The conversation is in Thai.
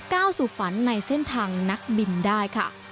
ก้าวสู่ฝันในเส้นทางนักบินได้ค่ะ